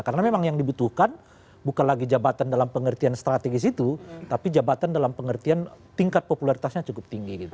karena memang yang dibutuhkan bukan lagi jabatan dalam pengertian strategis itu tapi jabatan dalam pengertian tingkat popularitasnya cukup tinggi gitu